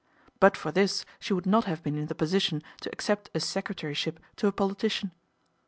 But for this she would not have been in the position to accept a secretaryship to a politician.